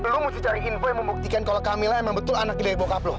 lo mesti cari info yang membuktikan kalau kamila emang betul anak gede bokap lo